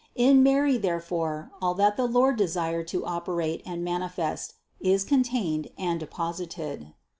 In Mary therefore all that the Lord desired to operate and manifest is contained and de posited.